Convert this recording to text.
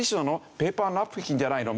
ペーパーナプキンじゃないの？